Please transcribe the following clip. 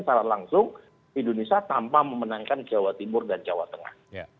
secara langsung indonesia tanpa memenangkan jawa timur dan jawa tengah